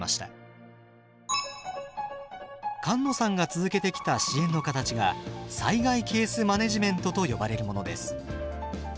菅野さんが続けてきた支援の形が「災害ケースマネジメント」と呼ばれるものです。